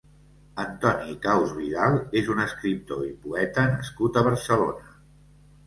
Antoni Caus Vidal és un escriptor i poeta nascut a Barcelona.